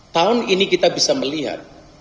tahun ini kita bisa melihat